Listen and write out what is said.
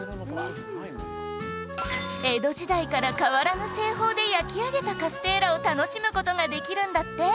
江戸時代から変わらぬ製法で焼き上げたカステーラを楽しむ事ができるんだって